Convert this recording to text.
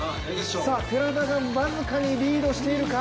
寺田が僅かにリードしているか？